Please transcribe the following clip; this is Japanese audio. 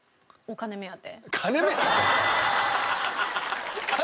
金目当て！？